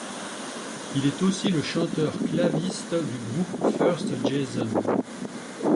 Il est aussi le chanteur claviste du groupe Firstjason.